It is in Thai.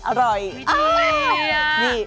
อ้าวมีแนว